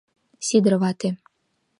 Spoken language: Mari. Сидыр вате.